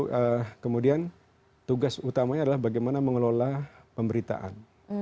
nah kemudian tugas utamanya adalah bagaimana mengelola pemberitaan